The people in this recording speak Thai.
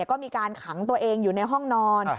ก็มีการขังตัวเองอยู่ในห้องนอน